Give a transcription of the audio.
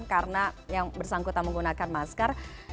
karena yang bersangkutan menggunakan masker